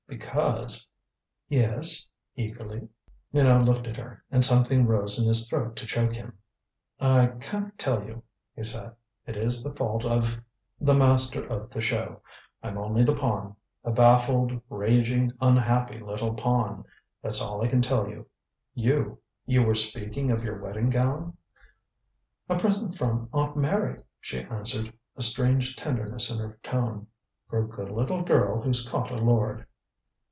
"Because " "Yes?" eagerly. Minot looked at her, and something rose in his throat to choke him. "I can't tell you," he said. "It is the fault of the Master of the Show. I'm only the pawn the baffled, raging, unhappy little pawn. That's all I can tell you. You you were speaking of your wedding gown?" "A present from Aunt Mary," she answered, a strange tenderness in her tone. "For a good little girl who's caught a lord."